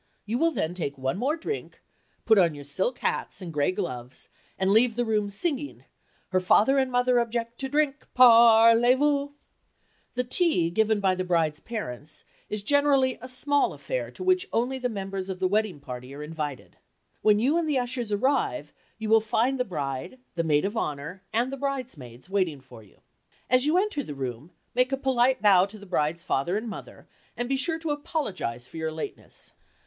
You will all then take one more drink, put on your silk hats and gray gloves, and leave the room singing, "Her father and mother object to drink—parlez vous." The tea given by the bride's parents is generally a small affair to which only the members of the wedding party are invited. When you and the ushers arrive, you will find the bride, the maid of honor and the bridesmaids waiting for you. As you enter the room, make a polite bow to the bride's father and mother, and be sure to apologize for your lateness.